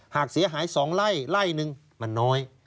หากเสียหาย๒ไร่ไล่นึงมันน้อย